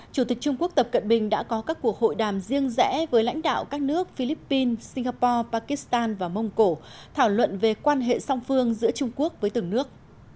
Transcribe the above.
chủ tịch trung quốc tập cận bình đã có các cuộc hội đàm riêng rẽ với lãnh đạo các nước philippines singapore pakistan và mông cổ thảo luận về quan hệ song phương giữa trung quốc với từng nước